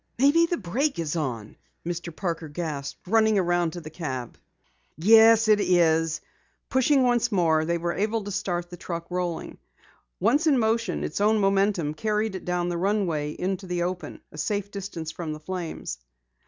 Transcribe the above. "Maybe the brake is on!" Mr. Parker gasped, running around to the cab. "Yes, it is!" Pushing once more, they were able to start the truck rolling. Once in motion its own momentum carried it down the runway into the open, a safe distance from the flames.